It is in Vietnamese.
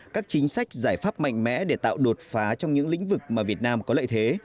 các chính sách giải pháp mạnh mẽ để tạo đột phá trong những lĩnh vực mà việt nam có lợi thế